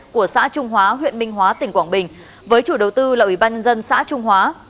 của xã trung hóa huyện minh hóa tỉnh quảng bình với chủ đầu tư là ủy ban dân xã trung hóa